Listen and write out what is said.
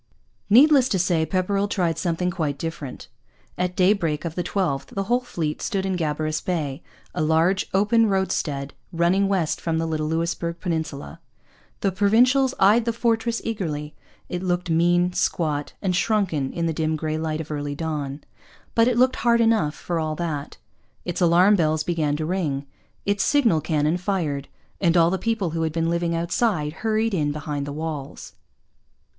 Needless to say, Pepperrell tried something quite different. At daybreak of the 12th the whole fleet stood into Gabarus Bay, a large open roadstead running west from the little Louisbourg peninsula. The Provincials eyed the fortress eagerly. It looked mean, squat, and shrunken in the dim grey light of early dawn. But it looked hard enough, for all that. Its alarm bells began to ring. Its signal cannon fired. And all the people who had been living outside hurried in behind the walls.